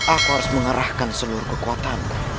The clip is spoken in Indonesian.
aku harus mengarahkan seluruh kekuatan